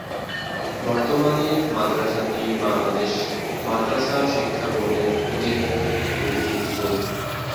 বর্তমানে মাদ্রাসাটি বাংলাদেশ মাদ্রাসা শিক্ষাবোর্ডের অধীনে পরিচালিত।